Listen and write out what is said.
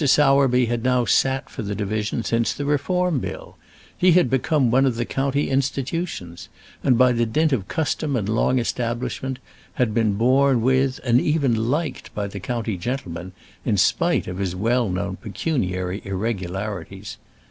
Sowerby had now sat for the division since the Reform Bill! He had become one of the county institutions, and by the dint of custom and long establishment had been borne with and even liked by the county gentlemen, in spite of his well known pecuniary irregularities.